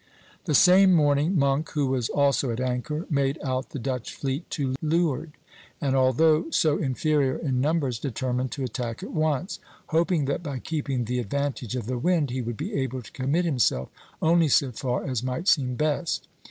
The same morning Monk, who was also at anchor, made out the Dutch fleet to leeward, and although so inferior in numbers determined to attack at once, hoping that by keeping the advantage of the wind he would be able to commit himself only so far as might seem best.